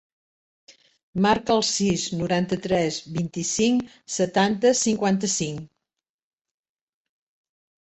Marca el sis, noranta-tres, vint-i-cinc, setanta, cinquanta-cinc.